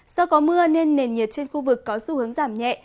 do có mưa nên nền nhiệt trên khu vực có xu hướng giảm nhẹ